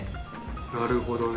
なるほどね。